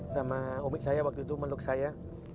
sama ummi saya waktu itu meluk saya